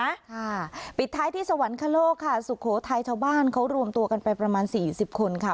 ค่ะปิดท้ายที่สวรรคโลกค่ะสุโขทัยชาวบ้านเขารวมตัวกันไปประมาณสี่สิบคนค่ะ